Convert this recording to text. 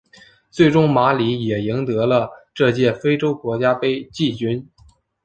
最终马里也赢得了这届非洲国家杯季军。